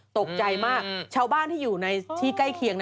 ตกใจมากชาวบ้านที่อยู่ในที่ใกล้เคียง